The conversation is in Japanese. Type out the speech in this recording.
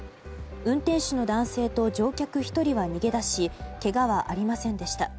運転手の男性と乗客１人は逃げ出しけがはありませんでした。